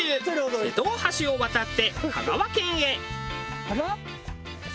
瀬戸大橋を渡って香川県へ。